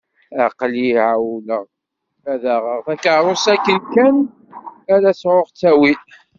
Aql-i εewwleɣ ad d-aɣeɣ takeṛṛust akken kan ara sεuɣ ttawil.